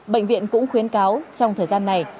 bệnh viện cũng khuyến cáo trong thời gian này